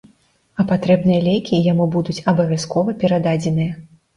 А патрэбныя лекі яму будуць абавязкова перададзеныя.